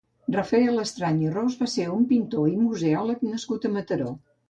Rafael Estrany i Ros va ser un pintor i museòleg nascut a Mataró.